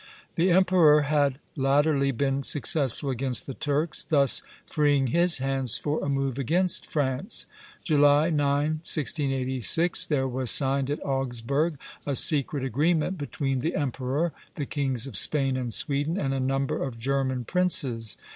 The emperor had latterly been successful against the Turks, thus freeing his hands for a move against France. July 9, 1686, there was signed at Augsburg a secret agreement between the emperor, the kings of Spain and Sweden, and a number of German princes.